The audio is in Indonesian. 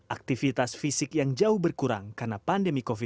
aktivitas fisik yang jauh berkurang karena pandemi covid sembilan belas